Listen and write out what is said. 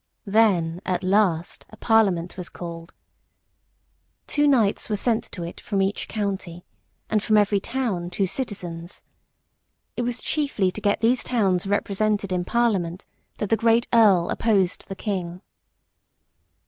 Then at last a Parliament was called. Two knights were sent to it from each county, and from every town two citizens. It was chiefly to get these towns represented in Parliament that the great Earl opposed the King.